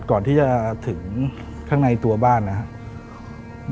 ก่อนที่จะถึงข้างในตัวบ้านนะครับ